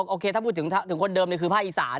โอเคถ้าพูดถึงคนเดิมคือภาคอีสาน